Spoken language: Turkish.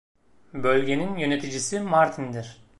Bölgenin yöneticisi Martin'dir.